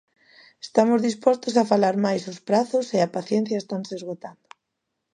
Estamos dispostos a falar mais os prazos e a paciencia estanse esgotando.